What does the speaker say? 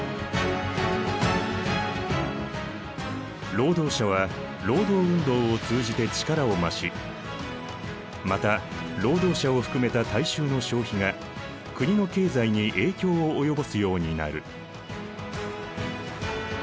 労働者は労働運動を通じて力を増しまた労働者を含めた大衆の消費が国の経済に影響を及ぼすようになる。